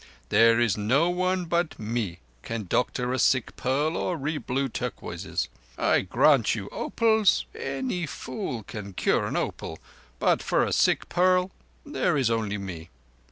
"There is no one but me can doctor a sick pearl and re blue turquoises. I grant you opals—any fool can cure an opal—but for a sick pearl there is only me.